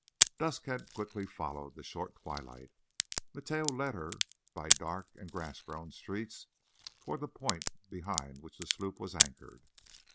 Dusk had quickly followed the short twilight. Mateo led her by dark and grass grown streets toward the point behind which the sloop was anchored.